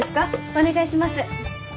お願いします。